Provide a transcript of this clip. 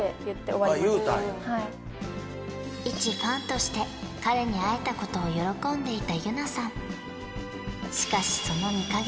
言うたんやはい一ファンとして彼に会えたことを喜んでいた夕那さんしかしそのえっ？